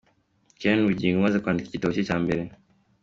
Karen Bugingo umaze kwandika igitabo cye cya mbere.